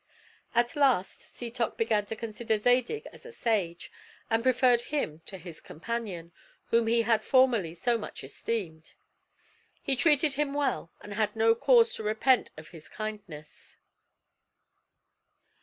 At last Setoc began to consider Zadig as a sage, and preferred him to his companion, whom he had formerly so much esteemed. He treated him well and had no cause to repent of his kindness.